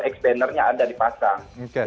expander nya ada dipasang